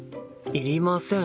いりません。